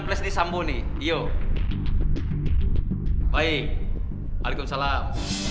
ini sambun nih yo baik alaikum salam